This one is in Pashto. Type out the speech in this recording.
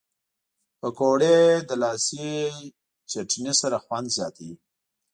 پکورې له لاسي چټني سره خوند زیاتوي